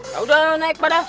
yaudah naik padah